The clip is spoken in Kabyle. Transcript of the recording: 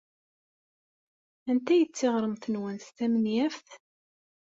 Anta ay d tiɣremt-nwen tamenyaft?